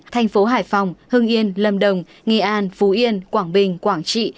thành phố hải phòng hưng yên lâm đồng nghi an phú yên quảng bình quảng trị